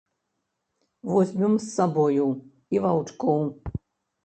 Возьмем з сабою і ваўчкоў.